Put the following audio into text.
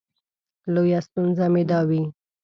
لویه ستونزه مې دا وي.